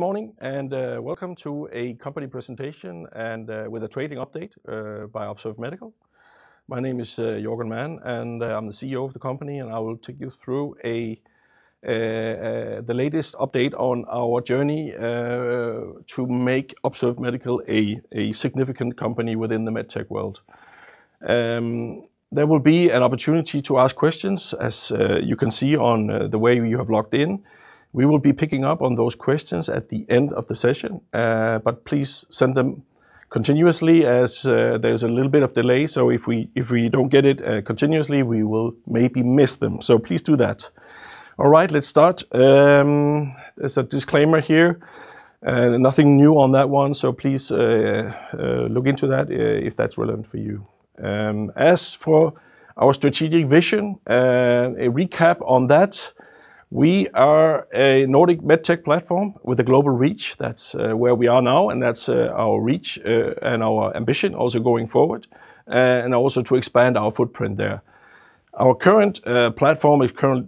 Good morning, and welcome to a company presentation and with a trading update by Observe Medical. My name is Jørgen Mann, and I am the CEO of the company, and I will take you through the latest update on our journey to make Observe Medical a significant company within the MedTech world. There will be an opportunity to ask questions, as you can see on the way you have logged in. We will be picking up on those questions at the end of the session. Please send them continuously as there is a little bit of delay. If we don't get it continuously, we will maybe miss them, so please do that. All right. Let's start. There is a disclaimer here. Nothing new on that one, so please look into that if that is relevant for you. As for our strategic vision, a recap on that. We are a Nordic MedTech platform with a global reach. That is where we are now, and that is our reach and our ambition also going forward, and also to expand our footprint there. Our current platform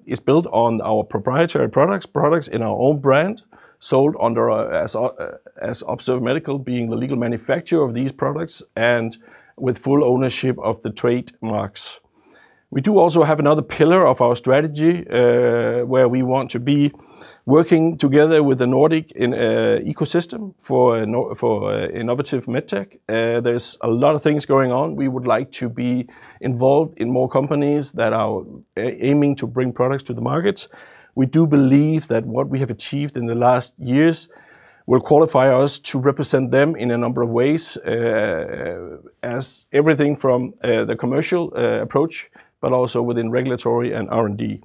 is built on our proprietary products in our own brand, sold under as Observe Medical being the legal manufacturer of these products and with full ownership of the trademarks. We do also have another pillar of our strategy, where we want to be working together with the Nordic ecosystem for innovative MedTech. There is a lot of things going on. We would like to be involved in more companies that are aiming to bring products to the market. We do believe that what we have achieved in the last years will qualify us to represent them in a number of ways. As everything from the commercial approach but also within regulatory and R&D.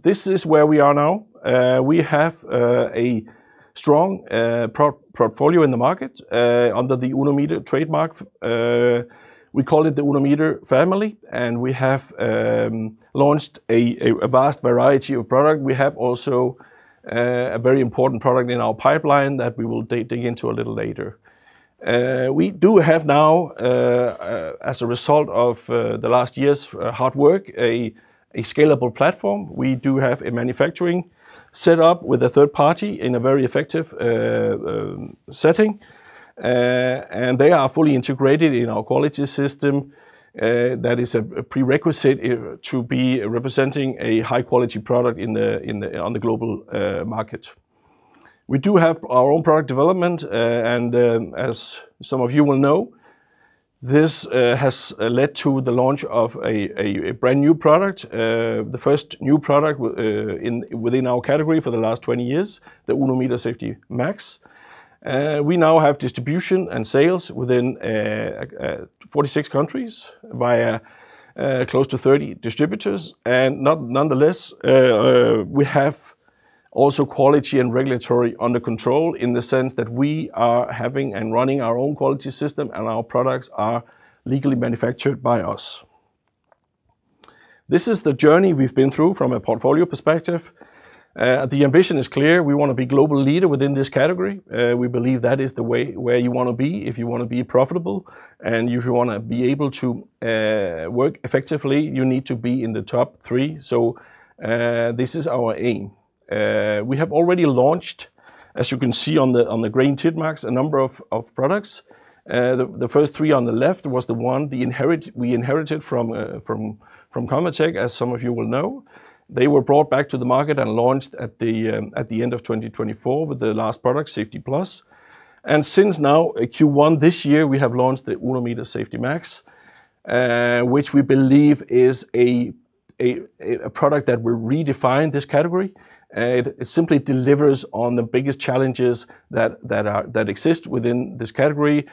This is where we are now. We have a strong portfolio in the market, under the UnoMeter trademark. We call it the UnoMeter family, and we have launched a vast variety of product. We have also a very important product in our pipeline that we will dig into a little later. We do have now, as a result of the last year's hard work, a scalable platform. We do have a manufacturing set up with a third party in a very effective setting. And they are fully integrated in our quality system. That is a prerequisite to be representing a high-quality product on the global market. We do have our own product development. And as some of you will know, this has led to the launch of a brand-new product, the first new product within our category for the last 20 years, the UnoMeter Safeti Max. We now have distribution and sales within 46 countries via close to 30 distributors. And nonetheless, we have also quality and regulatory under control in the sense that we are having and running our own quality system and our products are legally manufactured by us. This is the journey we've been through from a portfolio perspective. The ambition is clear. We want to be global leader within this category. We believe that is the way where you want to be if you want to be profitable. And if you want to be able to work effectively, you need to be in the top three. So, this is our aim. We have already launched, as you can see on the green tick marks, a number of products. The first three on the left was the one we inherited from ConvaTec, as some of you will know. They were brought back to the market and launched at the end of 2024 with the last product, Safeti Plus. Since now Q1 this year, we have launched the UnoMeter Safeti Max, which we believe is a product that will redefine this category. It simply delivers on the biggest challenges that exist within this category,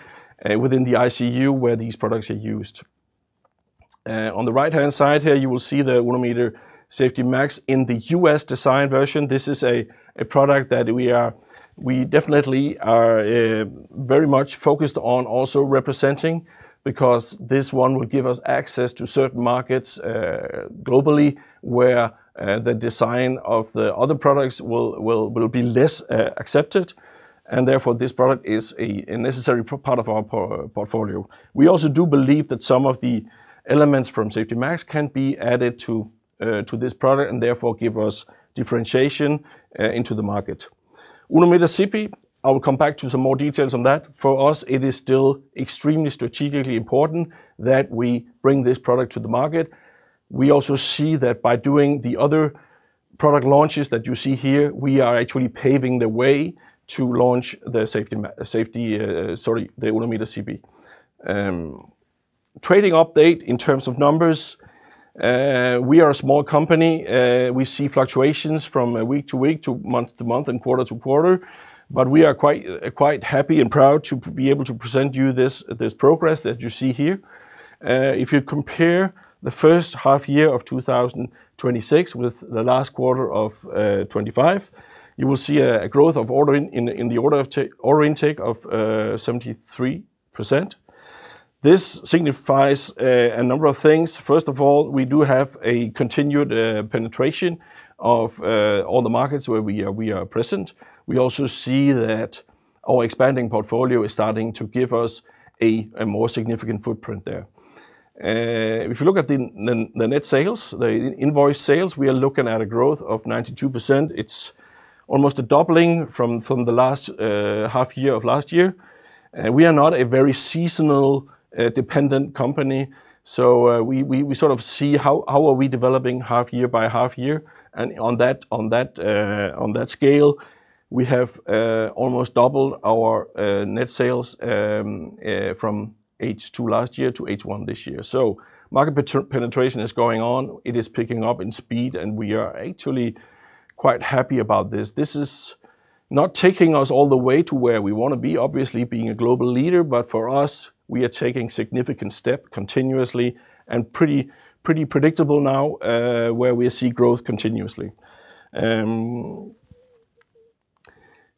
within the ICU where these products are used. On the right-hand side here, you will see the UnoMeter Safeti Max in the U.S. design version. This is a product that we definitely are very much focused on also representing because this one will give us access to certain markets globally where the design of the other products will be less accepted, and therefore this product is a necessary part of our portfolio. We also do believe that some of the elements from Safeti Max can be added to this product and therefore give us differentiation into the market. UnoMeter CP, I will come back to some more details on that. For us, it is still extremely strategically important that we bring this product to the market. We also see that by doing the other product launches that you see here, we are actually paving the way to launch the UnoMeter CP. Trading update in terms of numbers. We are a small company. We see fluctuations from week-to-week, to month-to-month, and quarter-to-quarter. We are quite happy and proud to be able to present you this progress that you see here. If you compare the first half year of 2026 with the last quarter of 2025, you will see a growth in the order intake of 73%. This signifies a number of things. First of all, we do have a continued penetration of all the markets where we are present. We also see that our expanding portfolio is starting to give us a more significant footprint there. If you look at the net sales, the invoice sales, we are looking at a growth of 92%. It's almost a doubling from the last half year of last year. We are not a very seasonal-dependent company. We see how are we developing half year-by-half year, and on that scale, we have almost doubled our net sales from H2 last year to H1 this year. Market penetration is going on. It is picking up in speed, and we are actually quite happy about this. This is not taking us all the way to where we want to be, obviously, being a global leader, but for us, we are taking significant step continuously and pretty predictable now, where we see growth continuously.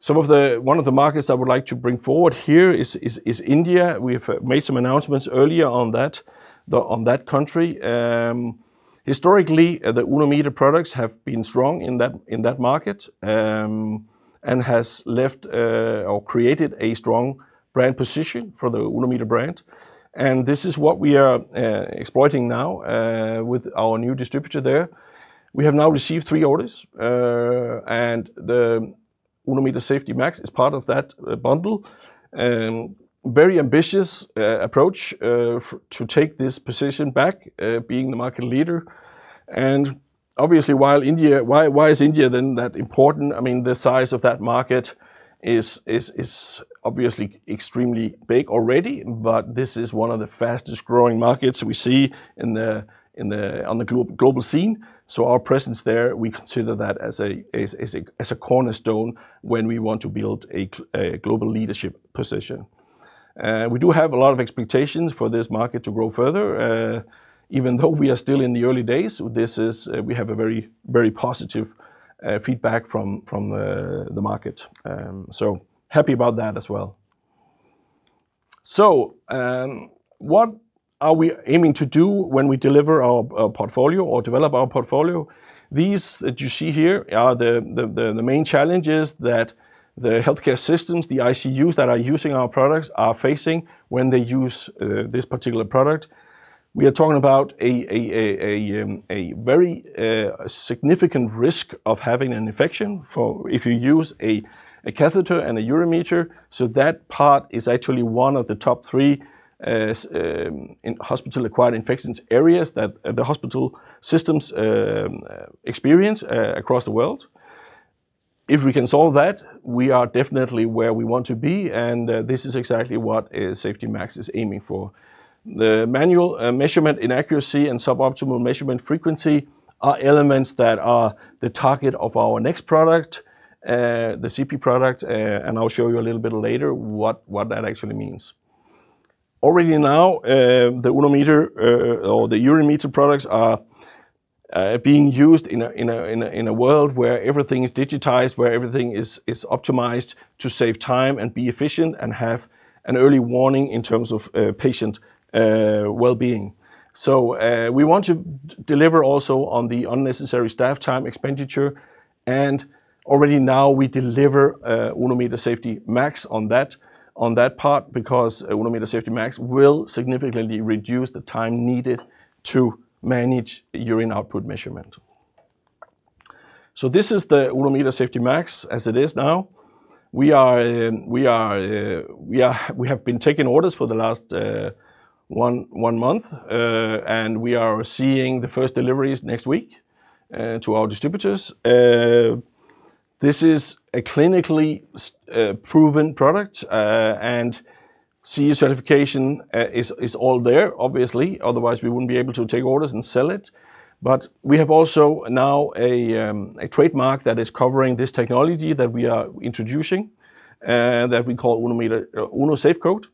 One of the markets I would like to bring forward here is India. We have made some announcements earlier on that country. Historically, the UnoMeter products have been strong in that market, and has left or created a strong brand position for the UnoMeter brand. This is what we are exploiting now with our new distributor there. We have now received three orders, and the UnoMeter Safeti Max is part of that bundle. Very ambitious approach to take this position back, being the market leader. Obviously, why is India then that important? The size of that market is obviously extremely big already, but this is one of the fastest-growing markets we see on the global scene. Our presence there, we consider that as a cornerstone when we want to build a global leadership position. We do have a lot of expectations for this market to grow further. Even though we are still in the early days, we have a very positive feedback from the market. Happy about that as well. What are we aiming to do when we deliver our portfolio or develop our portfolio? These that you see here are the main challenges that the healthcare systems, the ICUs that are using our products are facing when they use this particular product. We are talking about a very significant risk of having an infection if you use a catheter and a urometer. That part is actually one of the top three hospital-acquired infections areas that the hospital systems experience across the world. If we can solve that, we are definitely where we want to be, and this is exactly what Safeti Max is aiming for. The manual measurement inaccuracy and suboptimal measurement frequency are elements that are the target of our next product, the CP product, and I'll show you a little bit later what that actually means. Already now, the urometer products are being used in a world where everything is digitized, where everything is optimized to save time and be efficient and have an early warning in terms of patient well-being. We want to deliver also on the unnecessary staff time expenditure, and already now we deliver UnoMeter Safeti Max on that part because UnoMeter Safeti Max will significantly reduce the time needed to manage urine output measurement. This is the UnoMeter Safeti Max as it is now. We have been taking orders for the last one month. We are seeing the first deliveries next week to our distributors. This is a clinically proven product. CE certification is all there, obviously. Otherwise, we wouldn't be able to take orders and sell it. We have also now a trademark that is covering this technology that we are introducing, that we call UnoSafeCoat.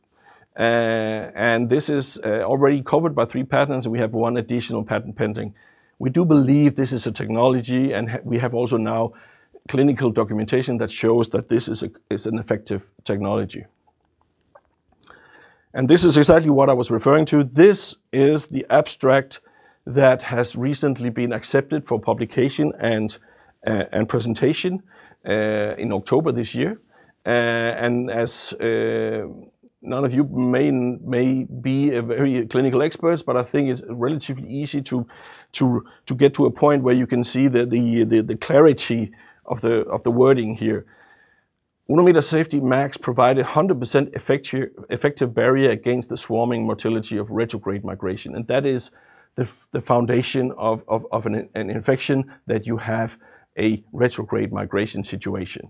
This is already covered by three patents, and we have one additional patent pending. We do believe this is a technology, and we have also now clinical documentation that shows that this is an effective technology. This is exactly what I was referring to. This is the abstract that has recently been accepted for publication and presentation in October this year. As none of you may be very clinical experts, but I think it's relatively easy to get to a point where you can see the clarity of the wording here. UnoMeter Safeti Max provide 100% effective barrier against the swarming motility of retrograde migration, and that is the foundation of an infection that you have a retrograde migration situation.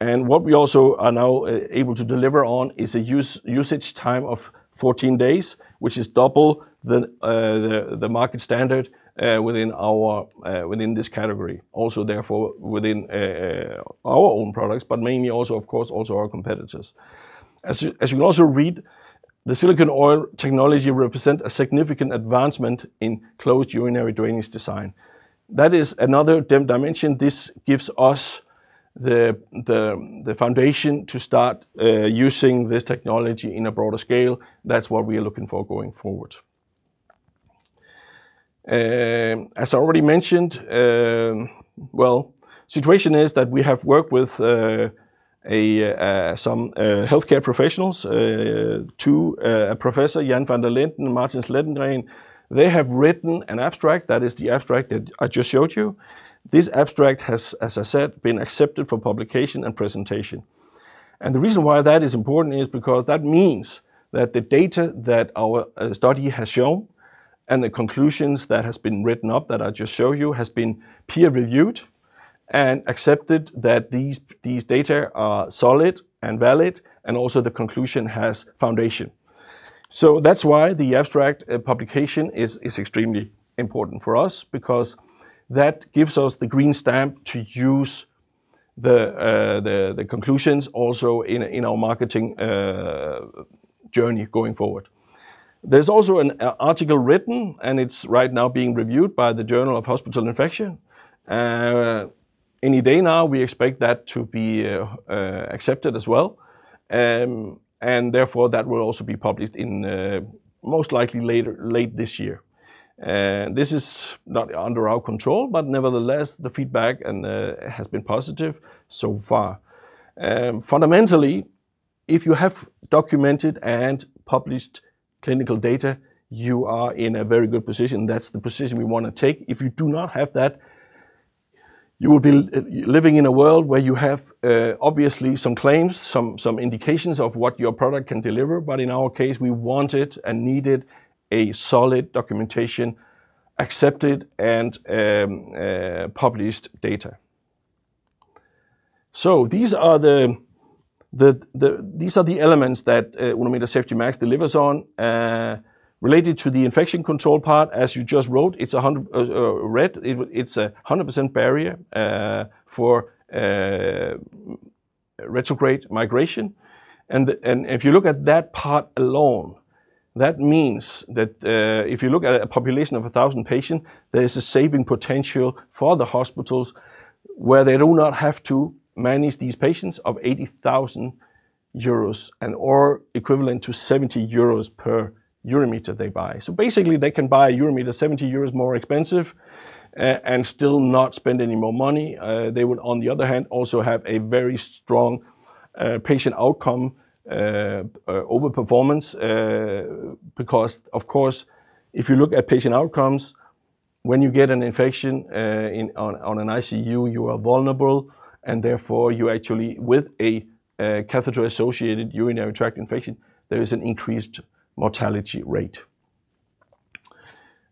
What we also are now able to deliver on is a usage time of 14 days, which is double the market standard within this category. Also, therefore, within our own products, but mainly also, of course, also our competitors. As you can also read, the silicone oil technology represent a significant advancement in closed urinary drainage design. That is another dimension. This gives us the foundation to start using this technology in a broader scale. That's what we are looking for going forward. As I already mentioned, well, situation is that we have worked with some healthcare professionals, two, Professor Jan van der Linden and Martin Slettengren. They have written an abstract. That is the abstract that I just showed you. This abstract has, as I said, been accepted for publication and presentation. The reason why that is important is because that means that the data that our study has shown and the conclusions that has been written up that I just showed you. Has been peer-reviewed and accepted that these data are solid and valid, and also the conclusion has foundation. That's why the abstract publication is extremely important for us because that gives us the green stamp to use the conclusions also in our marketing journey going forward. There's also an article written, and it's right now being reviewed by the Journal of Hospital Infection. Any day now, we expect that to be accepted as well. Therefore, that will also be published in, most likely, late this year. This is not under our control, but nevertheless, the feedback has been positive so far. Fundamentally, if you have documented and published clinical data, you are in a very good position. That's the position we want to take. If you do not have that, you will be living in a world where you have, obviously, some claims, some indications of what your product can deliver. In our case, we wanted and needed a solid documentation, accepted and published data. These are the elements that UnoMeter Safeti Max delivers on. Related to the infection control part, as you just read, it's 100% barrier for retrograde migration. If you look at that part alone, that means that if you look at a population of 1,000 patients, there is a saving potential for the hospitals where they do not have to manage these patients of 80,000 euros and/or equivalent to 70 euros per UnoMeter they buy. Basically, they can buy a UnoMeter, 70 euros more expensive and still not spend any more money. They would, on the other hand, also have a very strong patient outcome over performance. Because, of course, if you look at patient outcomes, when you get an infection on an ICU, you are vulnerable, and therefore you actually, with a catheter-associated urinary tract infection, there is an increased mortality rate.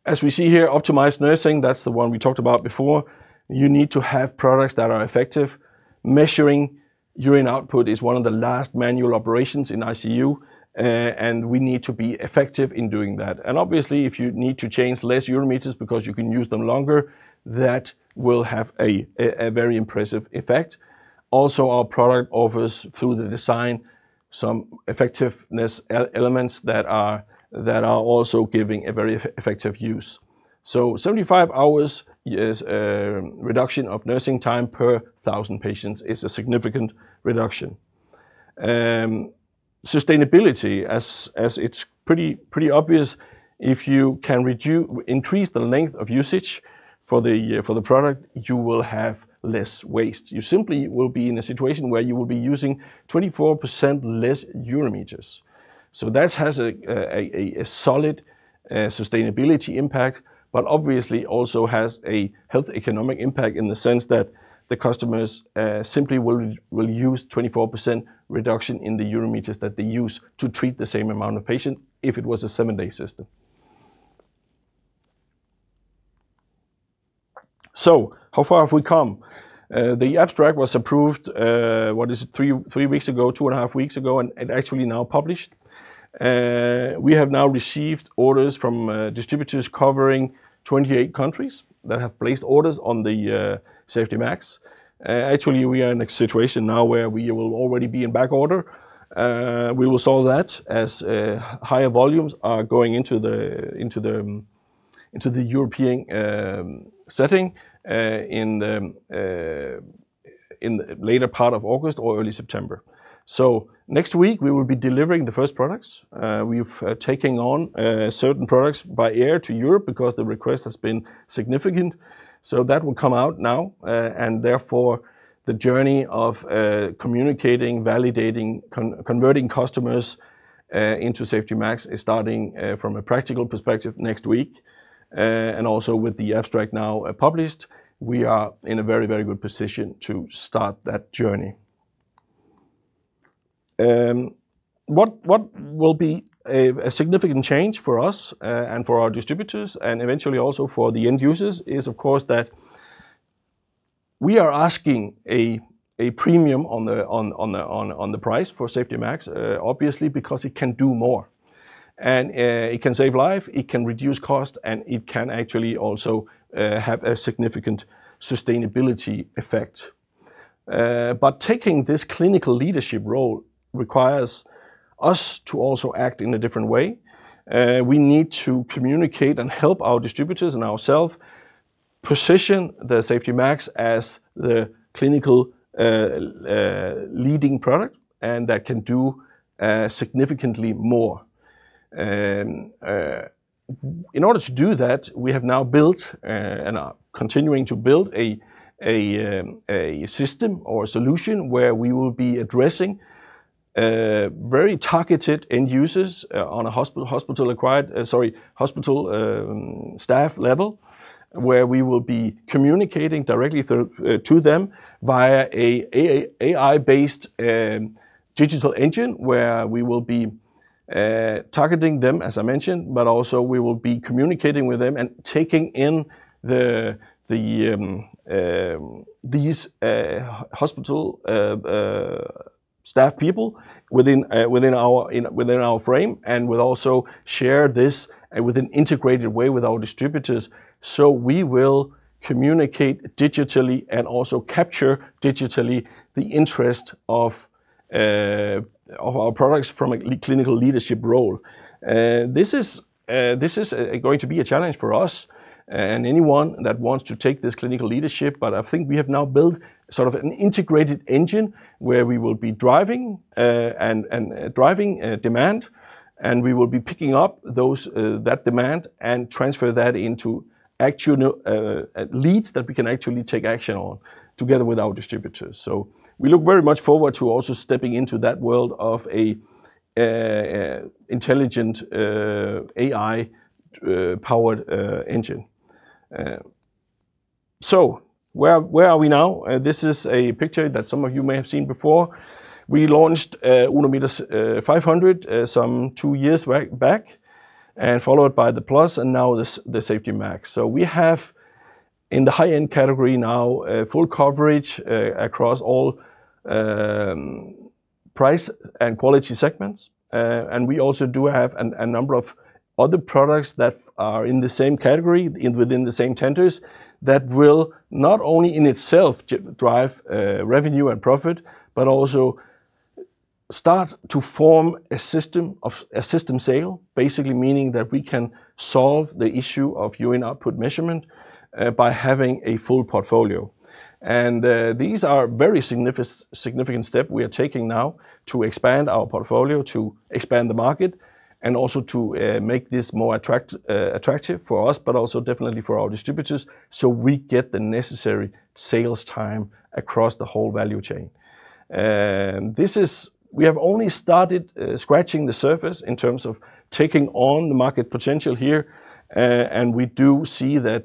As we see here, Optimized Nursing, that's the one we talked about before. You need to have products that are effective. Measuring urine output is one of the last manual operations in ICU, and we need to be effective in doing that. Obviously, if you need to change less UnoMeters because you can use them longer, that will have a very impressive effect. Our product offers, through the design, some effectiveness elements that are also giving a very effective use. 75 hours is a reduction of nursing time per 1,000 patients is a significant reduction. Sustainability, as it is pretty obvious, if you can increase the length of usage for the product, you will have less waste. You simply will be in a situation where you will be using 24% less urometers. That has a solid sustainability impact, but obviously also has a health economic impact in the sense that the customers simply will use 24% reduction in the urometers that they use to treat the same amount of patient if it was a seven-day system. How far have we come? The abstract was approved, what is it, three weeks ago, 2.5 weeks ago, and now published. We have now received orders from distributors covering 28 countries that have placed orders on the Safeti Max. We are in a situation now where we will already be in back order. We will solve that as higher volumes are going into the European setting in later part of August or early September. Next week, we will be delivering the first products. We have taken on certain products by air to Europe because the request has been significant. That will come out now, and therefore the journey of communicating, validating, converting customers into Safeti Max is starting from a practical perspective next week. With the abstract now published, we are in a very good position to start that journey. What will be a significant change for us and for our distributors and eventually also for the end users is, of course, that we are asking a premium on the price for Safeti Max, obviously, because it can do more. It can save life, it can reduce cost, and it can actually also have a significant sustainability effect. Taking this clinical leadership role requires us to also act in a different way. We need to communicate and help our distributors and ourselves position the Safeti Max as the clinical leading product, and that can do significantly more. In order to do that, we have now built and are continuing to build a system or a solution where we will be addressing very targeted end users on a hospital staff level. Where we will be communicating directly to them via an AI-based digital engine where we will be targeting them, as I mentioned, but also we will be communicating with them and taking in these hospital staff people within our frame and will also share this with an integrated way with our distributors. We will communicate digitally and also capture digitally the interest of our products from a clinical leadership role. This is going to be a challenge for us and anyone that wants to take this clinical leadership. I think we have now built sort of an integrated engine where we will be driving demand, and we will be picking up that demand and transfer that into leads that we can actually take action on together with our distributors. We look very much forward to also stepping into that world of a intelligent, AI-powered engine. Where are we now? This is a picture that some of you may have seen before. We launched UnoMeter 500 some two years back, and followed by the Plus and now the Safeti Max. We have, in the high-end category now, full coverage across all price and quality segments. We also do have a number of other products that are in the same category within the same tenders that will not only in itself drive revenue and profit, but also start to form a system sale, basically meaning that we can solve the issue of urine output measurement by having a full portfolio. These are very significant step we are taking now to expand our portfolio, to expand the market, and also to make this more attractive for us, but also definitely for our distributors so we get the necessary sales time across the whole value chain. We have only started scratching the surface in terms of taking on the market potential here. We do see that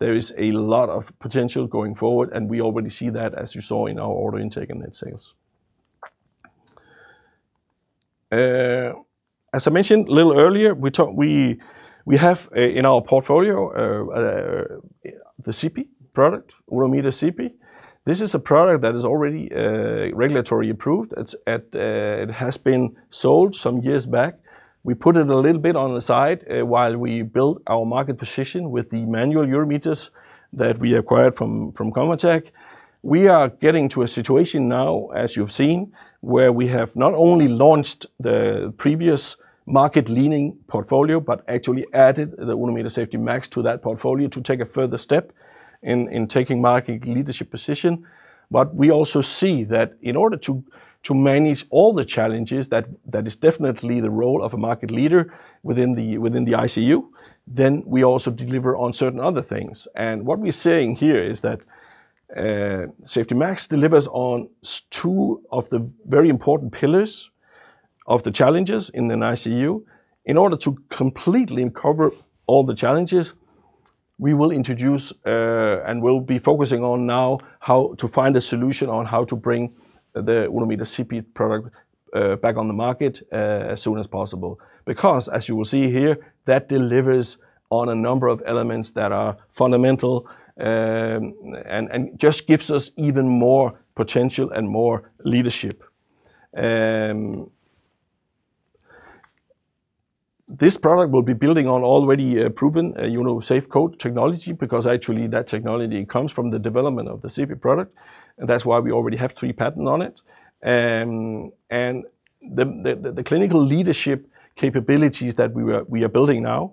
there is a lot of potential going forward, and we already see that, as you saw in our order intake and net sales. As I mentioned a little earlier, we have in our portfolio, the CP product, UnoMeter CP. This is a product that is already regulatory approved. It has been sold some years back. We put it a little bit on the side while we built our market position with the manual urometers that we acquired from ConvaTec. We are getting to a situation now, as you've seen, where we have not only launched the previous market-leaning portfolio, but actually added the UnoMeter Safeti Max to that portfolio to take a further step in taking market leadership position. We also see that in order to manage all the challenges, that is definitely the role of a market leader within the ICU, then we also deliver on certain other things. What we're saying here is that Safeti Max delivers on two of the very important pillars of the challenges in an ICU. In order to completely cover all the challenges, we will introduce, and we'll be focusing on now, how to find a solution on how to bring the UnoMeter CP product back on the market as soon as possible. As you will see here, that delivers on a number of elements that are fundamental, and just gives us even more potential and more leadership. This product will be building on already proven UnoSafeCoat technology, because actually that technology comes from the development of the CP product. That's why we already have three patent on it. The clinical leadership capabilities that we are building now,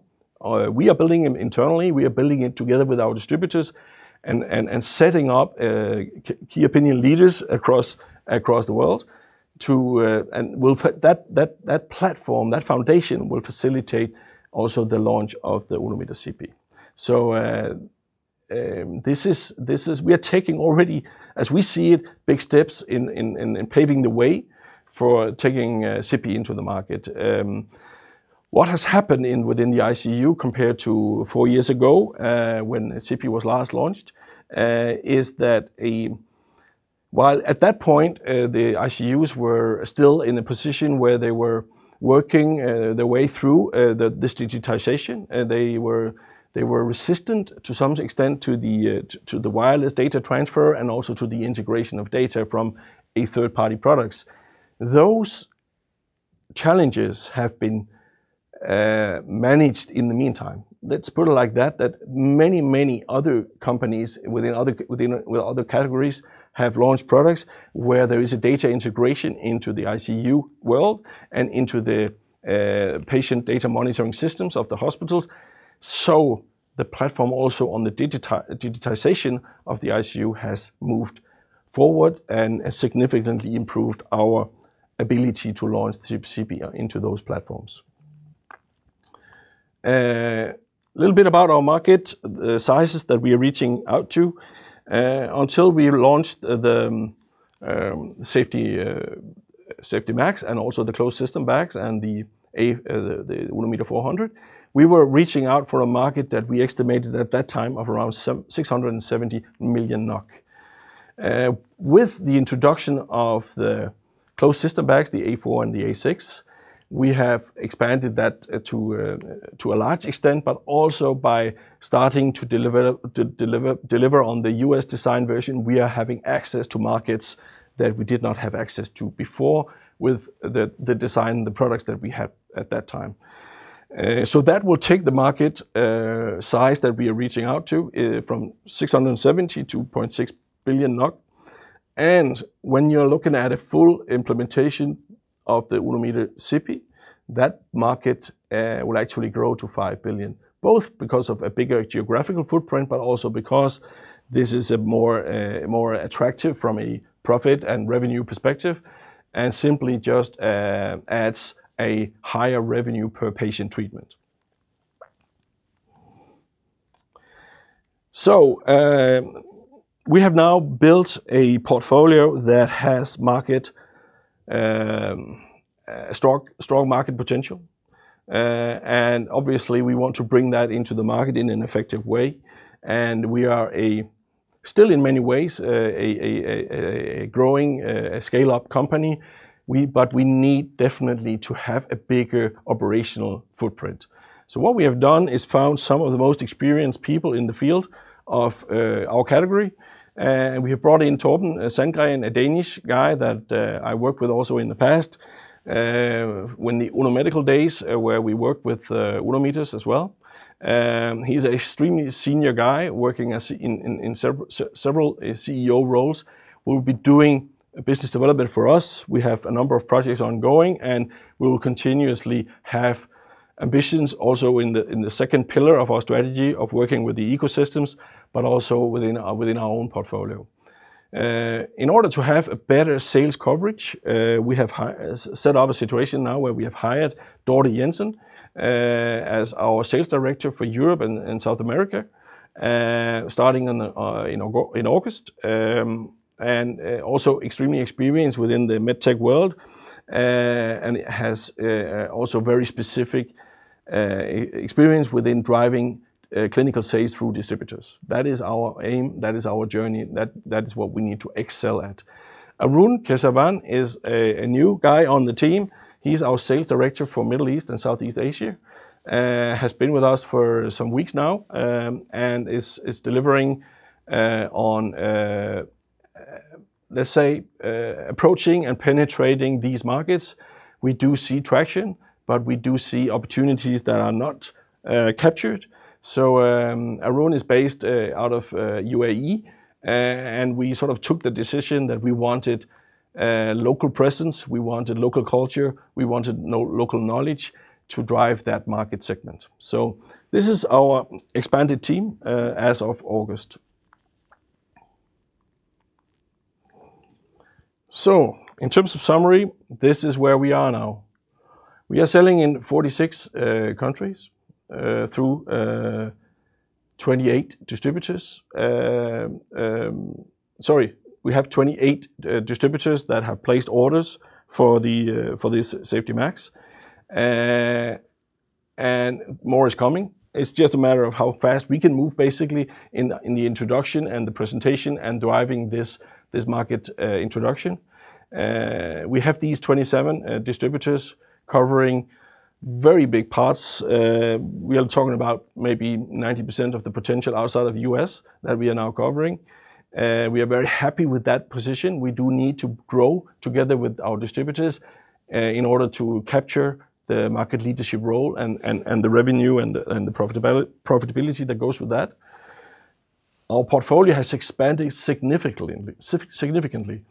we are building them internally, we are building it together with our distributors, and setting up key opinion leaders across the world. That platform, that foundation, will facilitate also the launch of the UnoMeter CP. We are taking already, as we see it, big steps in paving the way for taking CP into the market. What has happened within the ICU compared to four years ago, when CP was last launched, is that while at that point. The ICUs were still in a position where they were working their way through this digitization. They were resistant to some extent to the wireless data transfer and also to the integration of data from a third-party products. Those challenges have been managed in the meantime. Let's put it like that many other companies with other categories have launched products where there is a data integration into the ICU world and into the patient data monitoring systems of the hospitals. The platform also on the digitization of the ICU has moved forward and significantly improved our ability to launch the CP into those platforms. A little bit about our market, the sizes that we are reaching out to. Until we launched the Safeti Max and also the closed system bags and the UnoMeter 400, we were reaching out for a market that we estimated at that time of around 670 million NOK. With the introduction of the closed system bags, the A4 and the A6, we have expanded that to a large extent, but also by starting to deliver on the U.S. design version. We are having access to markets that we did not have access to before with the design of the products that we had at that time. That will take the market size that we are reaching out to from 670 million-2.6 billion NOK. When you're looking at a full implementation of the UnoMeter CP, that market will actually grow to 5 billion, both because of a bigger geographical footprint, but also because this is more attractive from a profit and revenue perspective, and simply just adds a higher revenue per patient treatment. We have now built a portfolio that has strong market potential. Obviously we want to bring that into the market in an effective way. We are still in many ways a growing scale-up company, but we need definitely to have a bigger operational footprint. What we have done is found some of the most experienced people in the field of our category. We have brought in Torben Sandgren, a Danish guy that I worked with also in the past, in the Unomedical days, where we worked with UnoMeters as well. He's extremely senior guy, working in several CEO roles. Will be doing business development for us. We have a number of projects ongoing, and we will continuously have ambitions also in the second pillar of our strategy of working with the ecosystems, but also within our own portfolio. In order to have a better sales coverage, we have set up a situation now where we have hired Dorte Jensen, as our Sales Director for Europe and South America, starting in August. Also extremely experienced within the MedTech world, and has also very specific experience within driving clinical sales through distributors. That is our aim, that is our journey. That is what we need to excel at. Arun Kesavan is a new guy on the team. He's our Sales Director for Middle East and Southeast Asia. Has been with us for some weeks now, and is delivering on, let's say, approaching and penetrating these markets. We do see traction, but we do see opportunities that are not captured. Arun is based out of U.A.E., and we sort of took the decision that we wanted local presence, we wanted local culture, we wanted local knowledge to drive that market segment. This is our expanded team as of August. In terms of summary, this is where we are now. We are selling in 46 countries, through 28 distributors. Sorry, we have 28 distributors that have placed orders for this Safeti Max. More is coming. It's just a matter of how fast we can move basically in the introduction and the presentation and driving this market introduction. We have these 27 distributors covering very big parts. We are talking about maybe 90% of the potential outside of U.S. that we are now covering. We are very happy with that position. We do need to grow together with our distributors, in order to capture the market leadership role and the revenue and the profitability that goes with that. Our portfolio has expanded significantly.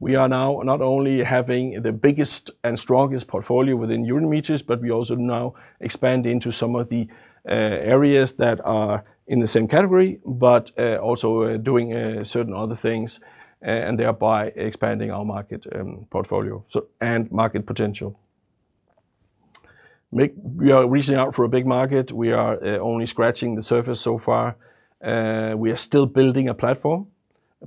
We are now not only having the biggest and strongest portfolio within UnoMeters, but we also now expand into some of the areas that are in the same category. But also doing certain other things, and thereby expanding our market portfolio and market potential. We are reaching out for a big market. We are only scratching the surface so far. We are still building a platform,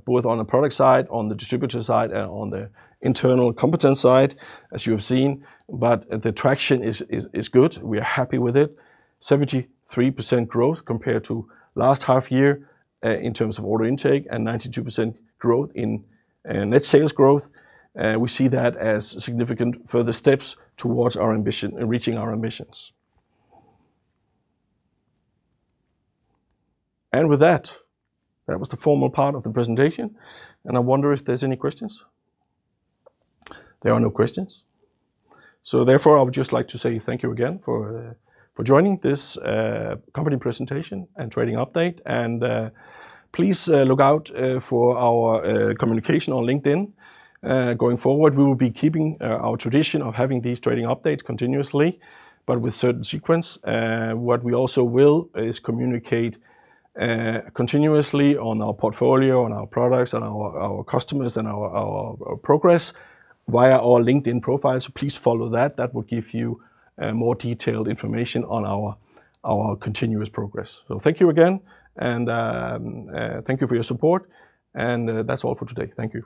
both on the product side, on the distributor side, and on the internal competence side, as you have seen. The traction is good. We are happy with it. 73% growth compared to last half year, in terms of order intake, and 92% growth in net sales growth. We see that as significant further steps towards our ambition and reaching our ambitions. With that was the formal part of the presentation, and I wonder if there's any questions. There are no questions. I would just like to say thank you again for joining this company presentation and trading update. Please look out for our communication on LinkedIn. Going forward, we will be keeping our tradition of having these trading updates continuously, but with certain sequence. What we also will is communicate continuously on our portfolio, on our products, on our customers, and our progress via our LinkedIn profile. Please follow that. That will give you more detailed information on our continuous progress. Thank you again, and thank you for your support. That's all for today. Thank you